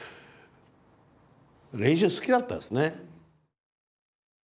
練習が好きだったですね。